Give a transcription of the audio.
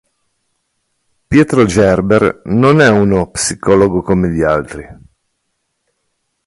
Pietro Gerber non è uno psicologo come gli altri.